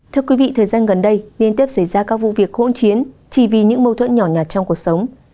thưa quý vị thời gian gần đây liên tiếp xảy ra các vụ việc hỗn chiến chỉ vì những mâu thuẫn nhỏ nhạt trong cuộc sống